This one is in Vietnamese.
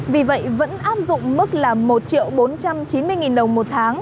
vì vậy vẫn áp dụng mức là một triệu bốn trăm chín mươi đồng một tháng